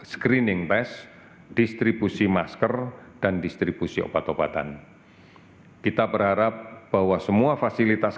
screening test distribusi masker dan distribusi obat obatan kita berharap bahwa semua fasilitas